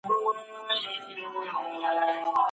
خدیجې د تلویزون رڼا د خپلې لور د ارامتیا لپاره کمه کړه.